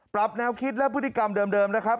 ปรับแนวคิดและพฤติกรรมเดิมนะครับ